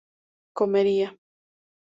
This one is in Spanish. comería